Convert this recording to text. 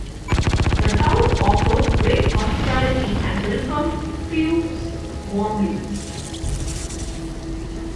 The town offered great hospitality and welcomed crews warmly.